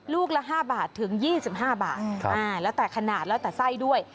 ลูกละ๕บาทถึง๒๕บาทแล้วแต่ขนาดแล้วแต่ไส้ด้วย